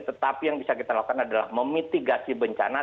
tetapi yang bisa kita lakukan adalah memitigasi bencana